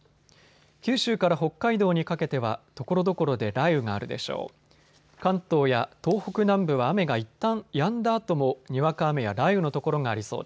九州から北海道にかけてはところどころで雷雨があるでしょう。